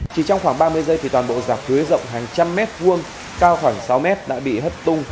chỉ trong khoảng ba mươi giây thì toàn bộ dạp cưới rộng hàng trăm mét vuông cao khoảng sáu mét đã bị hất tung